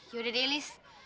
yaudah deh lis